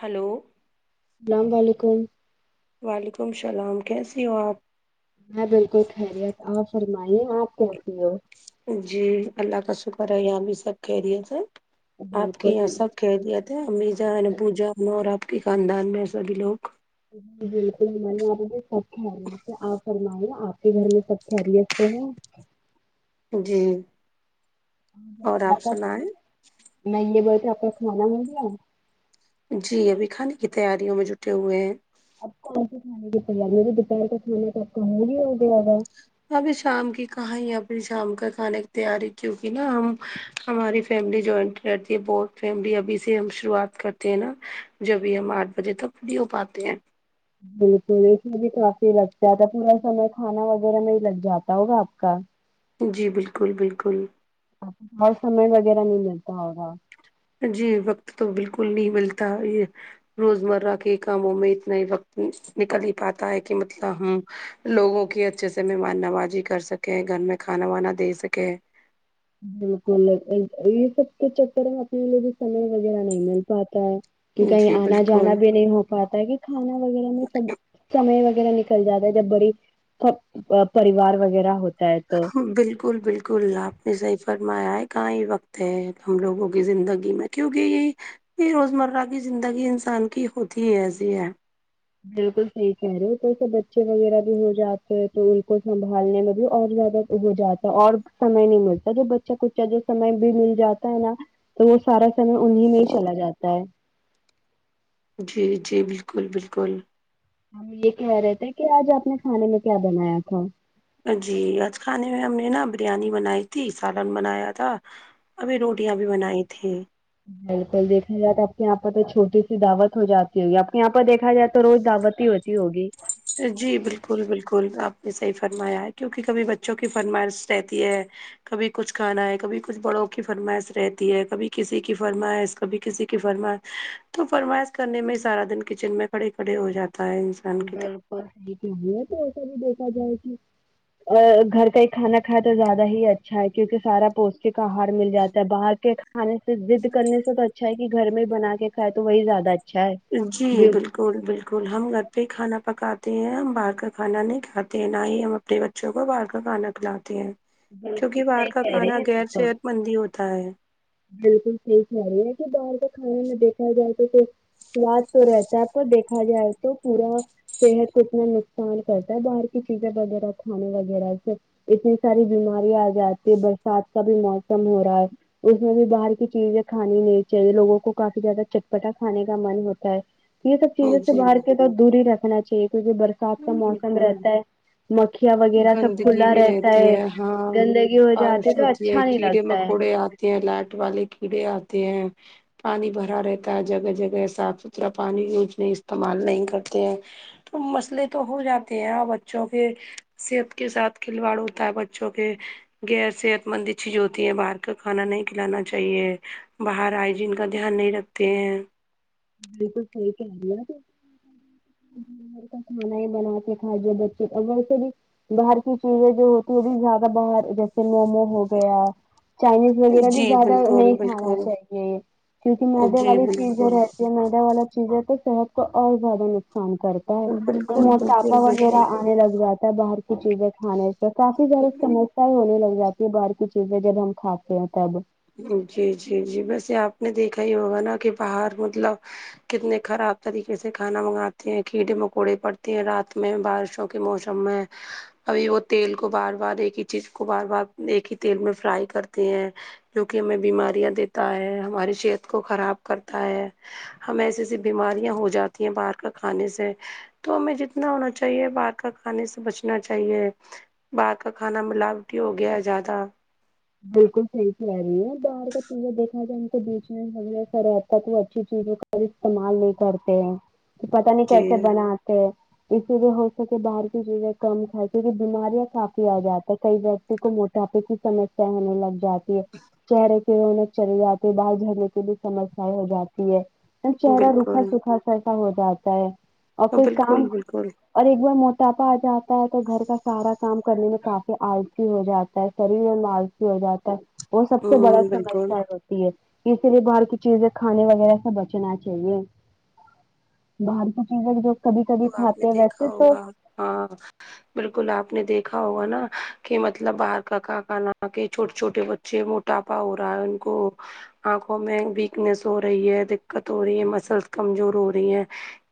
hello سلام و علیکم وعلیکم السلام کیسی ہو آپ میں بالکل خیریت آپ فرمائیے آپ کیسی ہو جی اللہ کا شکر ہے یہاں بھی سب خریت ہے آپ کے بالکل یہاں جی سب خریت ہے امی جان ابو جا ن اور آپ کے خاندان میں سبھی لوگ جی بالکل ہمارے یہاں پے بھی سب خریت ویسے آپ فرمائیے آپ کے گھر میں سب خیریت سے ہیں جی اور آپ کا سنائیں نہیں ہے بولے تھے آپ کا کھانا مل گیا جی ابھی کھانے کی تیاریوں میں جٹے ہوئے ہیں اب کون سی کھانے کی تیاری ہوری دوپہر کا کھانا تو اپ کا ہو گیا ہو گیا ابھی شام کی کہاں ائی شام کا کھانے کی تیاری کیونکہ نا ہم ہماری فیملی جوائنٹ رہتی ہے بہت فیملی ابھی سے ہم شروعات کرتے ہیں نا جب بھی ہم آٹھ بجے تک فری ہو پاتے ہیں بالکل اس میں بھی کافی لگتا تھا پورا سمے کھانا وغیرہ میں ہی لگ جاتا ہوگا آپ کا جی بالکل بالکل اب اور سمے وغیرہ نہیں ملتا ہوگا جی وقت تو بالکل نہیں ملتا یہ روزمرہ کے کاموں میں اتنا ہی وقت نکل ہی پاتا ہے کہ مطلب ہم لوگوں کی اچھے سے مہمان نوازی کر سکیں گھر میں کھانا وانا دے سکیں بالکل یہ یہ سب کے چکر میں اپنے لیے بھی سمے وغیرہ نہیں مل پاتا کے کہیں جی آنا جانا بالکل بھی نہیں ہو پاتا ہے کہ کھانا وغیرہ میں سب سمے وغیرہ نکل جاتا ہے جب بڑی ہاں ا پریوار وغیرہ ہو ہاں بالکل بالکل بالکل آپ نے صحیح فرمایا ہے کہاں ہی وقت ہے ہم لوگوں کی زندگی میں کیونکہ یہ روزمرہ کی زندگی انسان کی ہوتی ہی ایسی ہے بالکل صحیح کہہ رہے ہو تو ویسے بچے وغیرہ بھی ہو جاتے ہیں تو ان کو سنبھالنے میں بھی اور زیادہ ہو جاتا اور سمئے نہیں ملتا جو بچہ کچا جو سمے بھی مل جاتا ہے نا تو وہ سارا سمے انہی میں ہی چلا جاتا ہے جی جی بالکل بالکل ہم یہ کہہ رہے تھے کہ آج آپ نے کھانے میں کیا بنایا تھا جی آج کھانے میں ہم نے نا بریانی بنائی تھی سالن بنایا تھا ابھی روٹیاں بھی بنائی تھی بالکل دیکھا جائے تو آپ کے یہاں پر تو چھوٹی سی دعوت ہو جاتی ہوگی آپ کے یہاں پر دیکھا جائے تو روز دعوت ہی ہو تی ہوگی جی بالکل بالکل آپ نے صحیح فرمایا ہے کیونکہ کبھی بچوں کی فرمائش رہتی ہے کبھی کچھ کھانا ہے کبھی کچھ بڑوں کی فرمائش رہتی ہے کبھی کسی کی فرمائش کبھی کسی کی فرما تو فرمائش کرنے میں سارا دن کچن میں کھڑے کھڑے ہو جاتا ہے ج ادھر اوپی ہے تو ایسا بھی دیکھا جائے کہ ا گھر کا ہی کھانا کھائے تو زیادہ ہی اچھا ہے کیونکہ سارا پوس ٹک آہار مل جاتا ہے باہر کے کھانے سے ضد کرنے سے تو اچھا ہے کہ گھر میں بنا کے کھائے تو وہی زیادہ اچھا ہے جی بال کل بالکل ہم گھر پہ کھانا پکاتے ہیں ہم باہر کا کھانا نہیں کھاتے ہیں نہ ہی ہم چھوٹے بچوں کو باہر کا کھانا کھلاتے ہیں بالکل کیونکی باہر صحیح کا کھا کہہ رہی غیر ہیں آپ صحت مند ہی ہوتا ہے بالکل صحیح کہہ رہی ہے یہ ہے کہ باہر کا کھان نہ دیکھا جائے تو پھر سواد تو رہتا ہے پر کو دیکھا جائے تو پورا صحت کو اتنا نقصان کرتا ہے باہر کی چیزیں وغیرہ کھانے وغیرہ سے اتنی ساری بیماریا آ جاتی ہے برسات کا بھی موسم ہو رہا ہے اس میں بھی باہر کی چیزیں کھانی نہیں چاہیے لوگوں کو کافی زیادہ چٹپٹا کھانے کا من ہوتا ہے یہ سب چیزوں سے جی باہر کے طرف دور ہی رکھنا چاہیے کیونکہ برسات کا موسم بالکل رہتا ہے مکھیان وغیرہ سب گندگی کھلا بھی رہتا رہتی ہے ہاں گندگی ہو جاتی ہے تو اچھا نہیں لگتا ہے یہ لائٹ والے کیڑے آتے ہیں پانی بھرا رہتا ہے جگہ جگہ صاف ستھرا پانی یوج نہیں استعمال نہیں کرتے ہیں تو مسئلے تو ہو جاتے ہیں اور بچوں کے صحت کے ساتھ کھلواڑ ہوتا ہے بچوں کے غیر صحت مند چیز ہوتی ہے باہر کا کھانا نہیں کھلانا چاہیے باہر آئجین کا دھیان نہیں رکھ پھر بالکل صحیح کہہ رہی ہے تو کھانا ہی بنا کے کھاجے بچے اور ویسے بھی باہر کی چیزیں جو ہوتی ہے وہ بھی زیادہ باہر جیسے مومو ہو گیا چائنیز وغیرہ بھی جی زیادہ بالکل نہیں کھانا بالکل چاہیے یہ کیو کی مدے جی والی چیزیں بالکل ہے مدا والا چیزیں تو صحت کو اور زیادہ نقصان کرتا ہے بالکل موٹاپا بالکل وغیرہ بالکل انے لگ جاتا ہے باہر کی چیزیں کھانے سے کافی سارے سمسیا ہونے لگ جاتی باہر کی چیزیں جب ہم کھاتے ہیں تب جی جی جی ویسے اپ نے دیکھا ہی ہوگا نا کہ باہر مطلب کتنے خراب طریقے سے کھانا منگاتے ہیں کیڑے مکوڑے پڑتے ہیں رات میں بارشوں کے موسم میں ابھی وہ تیل کو بار بار ایک ہی چیز کو بار بار ایک ہی تیل میں فرائی کرتے ہیں جوکی ہمیں بیماریاں دیتا ہے ہماری صحت کو خراب کرتا ہے ہمیں ایسے ایسی بیماریاں ہو جاتی ہیں باہر کا کھانے سے تو ہمیں جتنا ہونا چاہیے باہر کا کھانے سے بچنا چاہیے باہر کا کھانا ملاوٹی ہو گیا ہے زیادہ بالکل صحیح کہہ رہی ہے باہر کا چیزیں دیکھا جائے تو بیچ میں رہا کوئی اچھی چیز استعمال نہیں کرتے ہیں کہ پتہ نہیں جی کیسے بناتے ہے اس لیے ہو سکے باہر کی چیزیں کم کھائے کیونکہ بیماریاں کافی آ جاتی ہے کئی اور موٹاپے کی سمسیا ہونے لگ جاتی ہے چہرے کی رونق چلی جاتی ہے بال جھرنے کی بھی سمسیا ہو جاتی ہے چہرہ روکھا بالکل سکھا س ایسا ہو جاتا ہے اور کوئی بالکل کام بالکل اور ایک بار موٹاپا آ جاتا ہے تو گھر کا سارا کام کرنے میں کافی السی ہو جاتا ہے شریر اور التی ہو جاتا ہے وہ سب ہ سے بڑا بالکل سمار ہوتا ہے اسی لیے باہر کی چیزیں کھانے وغیرہ سے بچنا چاہیے باہر کو چیزیں میں جو کبھی کبھی تو اپ کھاتے نے ہیں دیکھا ویسے تو ہوگا ہاں بالکل اپ نے دیکھا ہوگا نا کہ مطلب باہر کا کانا کھا کے چھوٹے چھوٹے بچے اچے موٹاپا ہو رہا ان کو انکھوں میں ویکنیس ہو رہی ہے دقت ہو رہی ہے مسلس کمزور ہو رہی ہیں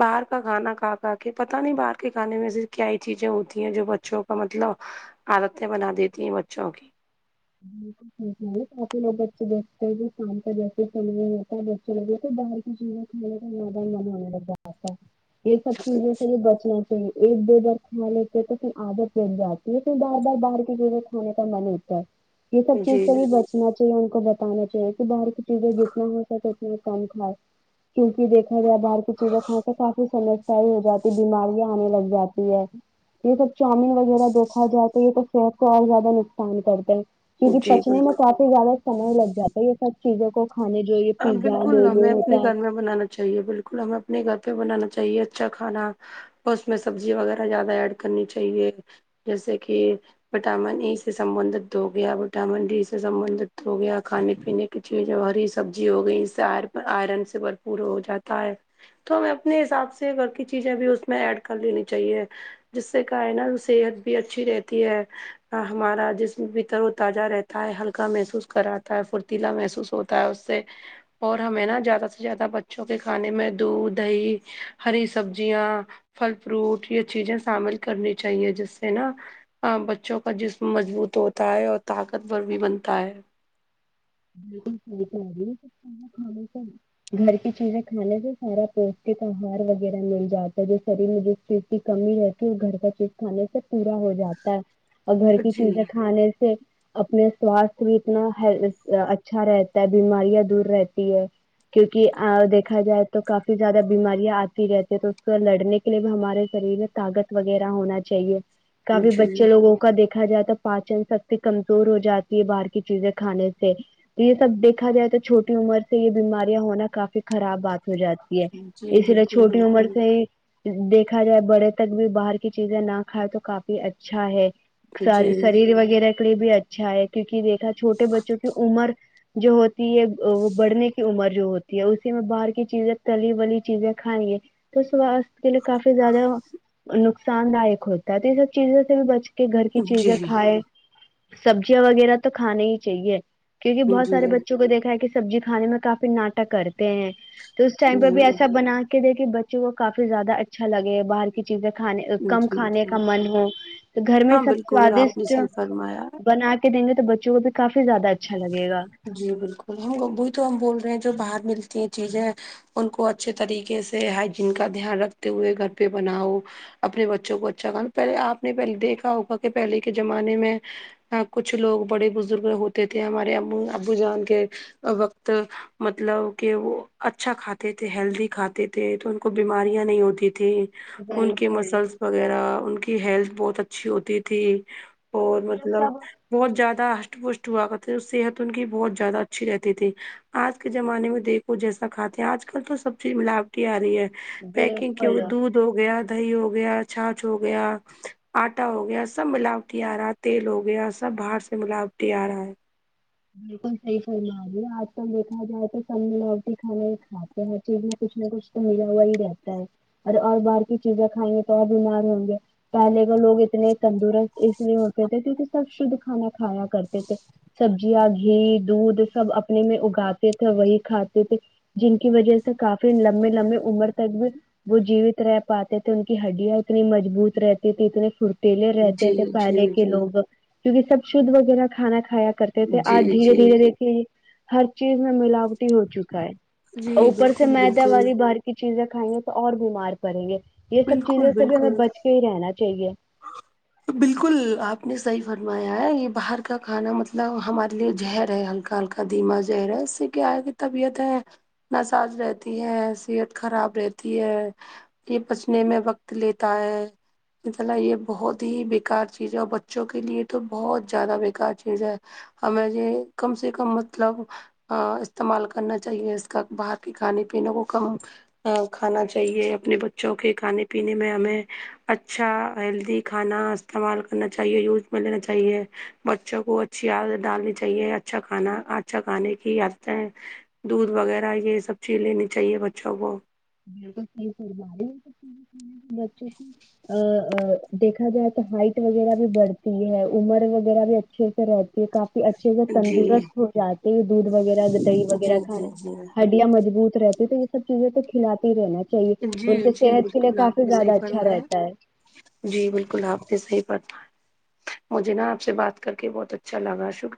باہر کا کھانا کے پتا نہیں باہر کے کھانے میں ایسی کیا ہی چیزیں ہوتی ہیں جو بچوں کا مطلب عادتیں بنا دیتی ہیں بچوں کی بالکل کافی لوگ بچے دیکھتے ہیں شام کا جیسے چل ہوتا ہے بچے لوگوں کو باہر جی مجھے اتا ہے یہ سب چیزیں بچنا چاہیے ایک دو بار کھا لیتے ہیں تو پھر عادت بن جاتی ہے پھر بار بار باہر کی چیزیں کرنے کا من ہوتا ہے یہ سب چیز جی جی ان کو بتانا چاہیے کہ باہر کی چیزیں جتنا ہو سکے اتنا کم کھائے کیونک دیکھا جائے باہر کی چیزیں کھان تو کافی سمس صحیح ہو جاتی بیماریاں آنے لگ جاتی ہے یہ سب چاؤمین وغیرہ دیکھا جائے تو یہ تو صحت کو اور زیادہ نقصان کرتا ہے کیو کی جی پچنے بالکل میں کافی زیادہ سمے لگ جاتا ہے یہ سب چیزوں کو کھانے جو یہ پیزا وہ وہ ہوتا ہے جی بالکل ہمیں اپنے گھر پہ بنانا چاہیے اچھا کھانا اور اس میں سبزی وغیرہ زیادہ ایڈ کرنی چاہیے جیسے کہ وٹامن ای سے سبندت ہو گیا وٹامن ڈی سے سبندت ہو گیا کھانے پینے کی چیزیں اور اس سبزی ہو گئی اس سے ائر ائرن سے بھرپور ہو جاتا ہے تو ہمیں اپنے حساب سے گھر کی چیزیں بھی اس میں ایڈ کر لینی چاہیے جس سے کیا ہے نا صحت بھی اچھی رہتی ہے تا ہمارا جسم بھی تر و تازہ رہتا ہے ہلکا محسوس کراتا ہے پھرتیلا محسوس ہوتا ہے اس سے اور ہمیں نا زیادہ سے زیادہ بچوں کے کھانے میں دودھ دہی ہری سبزیاں پھل فروٹ یہ چیزیں شامل کرنی چاہیے جس سے نا اں بچوں کا جسم مضبوط ہوتا ہے اور طاقتور بھی بنتا ہے بالکل صحیح کہہ رہی ہے کے کھانا کھانے سے گھر کی چیزیں کھانے سے سارا پوشٹک آہار وغیرہ مل جاتا ہے جو شریر میں کوئی چیز کی کمی رہتی ہے وہ گھر کا چیز کھانے سے پورا ہو جاتا ہے اور گھر کی جی چیزیں کھانے سے اپنے سواستھ بھی اتنا ہل کا اچھا رہتا ہے بیماریاں دور رہتی ہے کیونکی آ دیکھا جائے تو کافی زیادہ بیماریاں اتی رہتی ہے تو اس کو لڑنے کے لیے بھی ہمارے شریر میں طاقت وغیرہ ہونا چاہیے کافی جی بچے لوگوں کا دیکھا جاتا ہے پاچن شکتی کمزور ہو جاتی ہے باہر کی چیزیں کھانے سے سے یہ سب دیکھا جائے تو چھوٹی عمر سے یہ بیماریاں ہونا کافی خراب بات ہو جا تی ہے جی اس لیے بالکل چھوٹی عمر بالکل سے ہی دیکھا جائے بڑے تک بھی باہر کی چیزیں نہ کھائے تو کافی اچھا ہے جی سا شریر وغیرہ کے لیے بھی اچھا ہے کیونکی دیکھا چھوٹے بچوں کی عمر جو ہوتی ہے وہ بڑھنے کی عمر جو ہوتی ہے اسی میں باہر کی چیزیں تلی ولی چیزیں کھالیے تو سواستھ کے لیے کافی زیادہ نقصان دائک ہوتا ہے تو یہ سب چیزوں سے بھی بچ کہ گھر کی جی چیزیں جی کھائے سبزیاں وغیرہ تو کھانے ہی چاہیے کیونکی بہت جی سارے بچوں کو دیکھا ہے کہ سبزی کھانے میں کافی ناٹک کرتے ہیں تو اس ٹائم جی بھی ایسا بنا کے دے کے بچوں کو کافی زیادہ اچھا لگے باہر چیزیں کھانے کم کھانے جی کا من ہو تو گھر میں ہاں سب بالکل آپ نے سوادشٹ صحیح فرمایا بنا کے دیں گے تو بچوں کو بھی کافی زیادہ اچھا لگے گا جی بالکل ہم وہ ہی تو ہم بول رہے ہیں جو باہر ملتی ہیں چیزیں ان کو اچھے طریقے سے ہائجین کا دھیان رکھتے ہوئے گھر پہ بناؤ اپنے بچوں کو اچھا کھا پہلے اپ نے پہلے دیکھا ہوگا کہ پہلے کے زمانے میں ہاں کچھ لوگ بڑے بزرگ لوگ ہوتے تھے ہمارے ابو ابو جان کے وقت مطلب کہ وہ اچھا کھاتے تھے ہیلدی کھاتے تھے تو ان کو بیماریاں نہیں ہوتی تھیں ان کی بالکل مسلس وغیرہ ان کی ہیلتھ بہت اچھی ہوتی تھی کیونکہ اور وہ لوگ مطلب سب بہت زیادہ اشٹ پشٹ ہوا کرتے صحت ان کی بہت زیادہ اچھی رہتی تھی آج کے زمانے میں دیکھو جیسا کھاتے ہیں آج کل تو سب چیز ملا وٹی آ رہی ہے پیکنگ کی بالکل دودھ ہو گیا دہی ہو گیا چھانچ ہو گیا آٹا ہو گیا سب ملاوٹی آ رہا ہے تیل ہو گیا سب باہر سے ملاوٹی آ رہا ہے بالکل صحیح فرما رہی ہے آج کل دیکھا جائے تو سب ملاوٹی کھانیں کھاتے ہیں تو اس میں کچھ نہ کچھ تو ملا ہوا ہی رہتا ہے اری اور باہر کی چیزیں کھائیں گے تو اور بیمار ہوں گے پہلے کے لوگ اتنے تندرست اس لیے ہوتے تھے کیونکہ سب شدھ کھانا کھایا کرتے تھے یا گھی دودھ سب اپنے میں اگاتے تھے وہی کھاتے تھے جن کی وجہ سے کافی لمبے لمبے عمر تک بھی وہ جیوت رہ پاتے تھے ان کی ہڈیاں اتنی مضبوت رہتی تھی اتنی فتی لے رہتے جی تھے جی پہلے کے جی لوگ کیونکہ سب شدھ وغیرہ کھانا کھایا کرتے تھے آج جی دھیرے جی دھیرے دیکتے ہر چیز میں ملاوٹی ہو چکا ہے جی اور اوپر سے بالکل میدا بالکل والی بار کی چیزیں کھائیں گے تو اور بیمار پڑیں گے یہ سب بالکل چیزوں سے بھی ہمیں بالکل بچ کے ہی رہنا چاہیے بالکل آپ نے صحیح فرمایا ہے یہ باہر کا کھانا مطلب ہمارے لیے جہر ہے ہلکا ہلکا ادیمہ زہرا ہے اس سے کیا ہے کہ طبیعت ہے نا ساز رہتی ہے صحت خراب رہتی ہے یہ بچنے میں وقت لیتا ہے اللا یہ بہت ہی بیکار چیز ہے اور بچوں کے لیے تو بہت زیادہ بکار چیز ہے ہمیں یہ کم سے کم مطلب استعمال کرنا چاہیے اس کا باہر کے کھانے پینے کو کم کھانا چاہیے اپنے بچوں کے کھانے پینے میں ہمیں اچھا ہیلدی کھانا استعمال کرنا چاہیے یوز میں لینا چاہیے بچوں کو چ ڈالنی چاہیے اچھا کھانا اچھا کھانے کی عدیں دودھ وغیرہ یہ سب چیز لینی چاہیے بچوں کو بالکل صحیح فرما رہی ہے با بچوں کی ا دیکھا جائے تو ہائٹ وغیرہ بھی بڑھتی ہے عمر وغیرہ بھی اچ اچھے سے رہتی ہے کافی اچھ اچ سے جی تندرست ہو جاتے دودھ وغیرہ دہی جی وغیرہ جی جی کھانے مجبوط رہتی تو یہ سب چیزیں تو کھلاتی رہنا چاہیے ان کے جی جی صحت کے لیے بالکل کافی آپ نے صحیح زیادہ اچھا فرمایا رہتا ہے جی بالکل آپ سے صحیح پت ہے مجھے نا آپ سے بات کر کے بہت اچھا لگا شکہ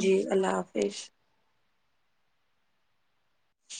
جی اللہ حافظ